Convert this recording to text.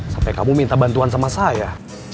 sampai kamu minta bantuan sama saya